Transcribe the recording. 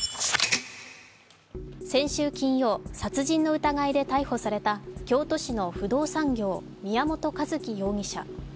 先週金曜、殺人の疑いで逮捕された京都市の不動産業宮本一希容疑者。